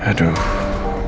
tidak ada apa apa